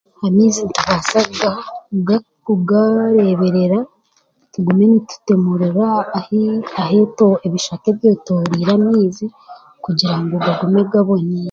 amaizi nitubaasa kuga kugaareeberera, tugume nitutemuurure aheto ahii ebishaka ebyotooroire amaizi kugira ngu gagume gabobiire.